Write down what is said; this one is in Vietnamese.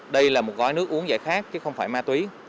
đây là một gói nước uống dạy khác chứ không phải ma túy